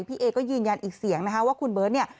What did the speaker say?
พี่เอก็ยืนยันอีกเสียงนะคะว่าคุณเบิร์ตเนี่ย